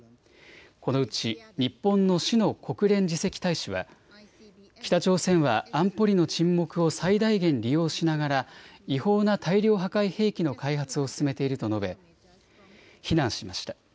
このうち日本の志野国連次席大使は北朝鮮は安保理の沈黙を最大限利用しながら違法な大量破壊兵器の開発を進めていると述べ非難しました。